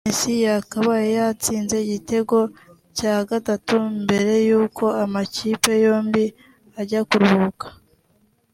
Messi yakabaye yatsinze igitego cya gatatu mbere y’uko amakipe yombi ajya kuruhuka